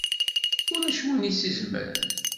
Ulac win i s-izemren!